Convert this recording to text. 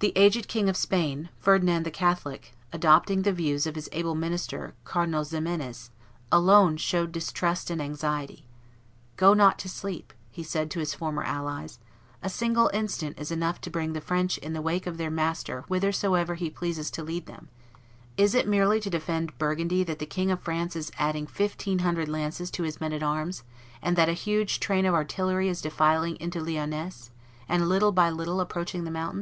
The aged King of Spain, Ferdinand the Catholic, adopting the views of his able minister, Cardinal Ximenes, alone showed distrust and anxiety. "Go not to sleep," said he to his former allies; "a single instant is enough to bring the French in the wake of their master whithersoever he pleases to lead them; is it merely to defend Burgundy that the King of France is adding fifteen hundred lances to his men at arms, and that a huge train of artillery is defiling into Lyonness, and little by little approaching the mountains?"